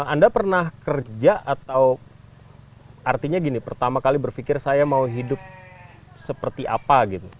anda pernah kerja atau artinya gini pertama kali berpikir saya mau hidup seperti apa gitu